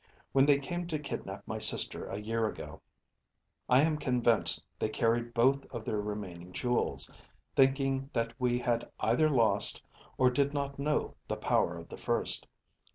When they came to kidnap my sister a year ago, I am convinced they carried both of their remaining jewels, thinking that we had either lost, or did not know the power of the first.